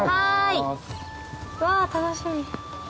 うわ楽しみ！